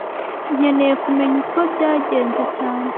Nkeneye kumenya uko byagenze cyane